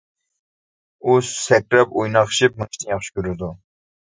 ئۇ سەكرەپ ئويناقشىپ مېڭىشنى ياخشى كۆرىدۇ.